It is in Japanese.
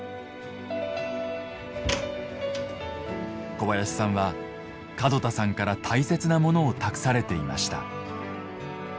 小林さんは門田さんから大切なものを託されていました。